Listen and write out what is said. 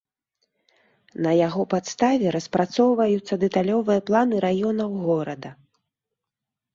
На яго падставе распрацоўваюцца дэталёвыя планы раёнаў горада.